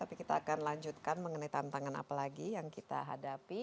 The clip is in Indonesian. tapi kita akan lanjutkan mengenai tantangan apa lagi yang kita hadapi